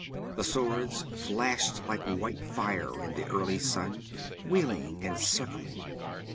The swords flashed like white fire in the early sun, wheeling and circling.